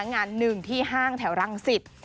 งาน๑ที่ห้างแถวรังสิทธิ์